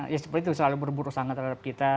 ya seperti itu selalu berburu sangat terhadap kita